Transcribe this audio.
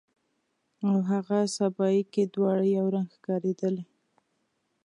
او هاغه سبایي کې دواړه یو رنګ ښکاریدلې